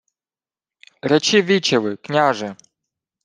— Речи вічеві, княже!